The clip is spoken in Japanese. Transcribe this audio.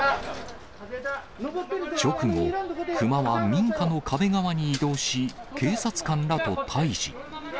直後、熊は民家の壁側に移動し、警察官らと対じ。